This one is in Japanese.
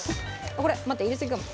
これ待って入れすぎかも。